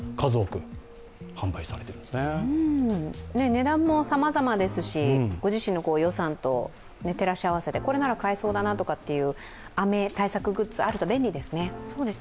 値段もさまざまですし、ご自身の予算とも照らし合わせて、これなら買えそうだなという雨対策グッズあると便利ですね。